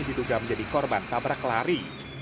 diduga menjadi korban tabrak lari